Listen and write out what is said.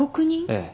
ええ。